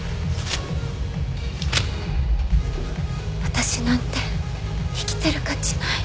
私なんて生きてる価値ない。